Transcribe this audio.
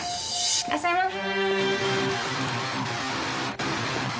いらっしゃいませ。